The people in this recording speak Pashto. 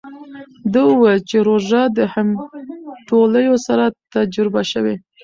ده وویل چې روژه د همټولیو سره تجربه شوې.